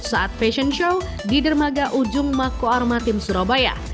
saat fashion show di dermaga ujung mako armatim surabaya